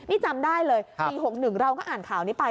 นี่จำได้เลยปี๖๑เราก็อ่านข่าวนี้ไป